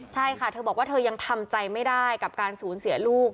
ใช่ค่ะเธอบอกว่าเธอยังทำใจไม่ได้กับการสูญเสียลูก